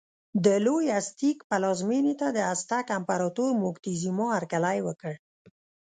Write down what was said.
د لوی ازتېک پلازمېنې ته د ازتک امپراتور موکتیزوما هرکلی وکړ.